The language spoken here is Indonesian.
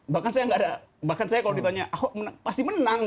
bahkan saya kalau ditanya ahok pasti menang